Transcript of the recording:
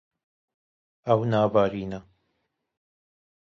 Ew nabarîne.